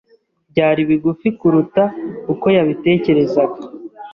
Byari bigufi kuruta uko yabitekerezaga.